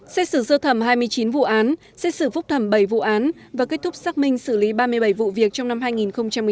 xét xử sơ thẩm hai mươi chín vụ án xét xử phúc thẩm bảy vụ án và kết thúc xác minh xử lý ba mươi bảy vụ việc trong năm hai nghìn một mươi chín